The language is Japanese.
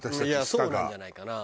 そうなんじゃないかな。